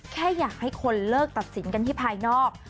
แค่อยากให้คนเลิกตัดสินกันที่ภายนอก